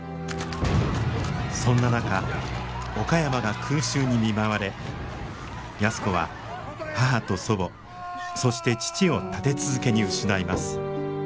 そんな中岡山が空襲に見舞われ安子は母と祖母そして父を立て続けに失います。